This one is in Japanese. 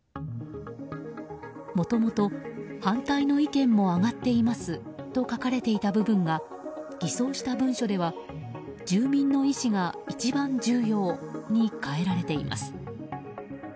もともと反対の意見も上がっていますと書かれていた部分が偽装した文書では住民の意思が一番重要に変えられています。